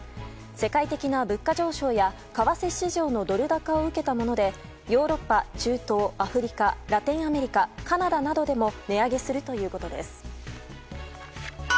世界的な物価上昇や為替市場のドル高を受けたものでヨーロッパ、中東、アフリカラテンアメリカ、カナダなどでも値上げするということです。